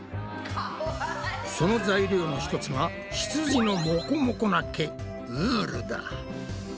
その材料の一つがひつじのモコモコな毛ウールだ。